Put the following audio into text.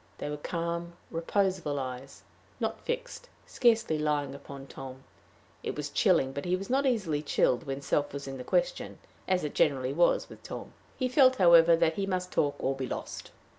They were calm, reposeful eyes, not fixed, scarcely lying upon Tom. It was chilling, but he was not easily chilled when self was in the question as it generally was with Tom. He felt, however, that he must talk or be lost.